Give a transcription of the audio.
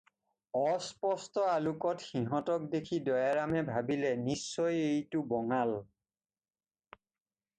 অস্পষ্ট আলোকত সিহঁতক দেখি দয়াৰামে ভাবিলে নিশ্চয় এইটো বঙাল।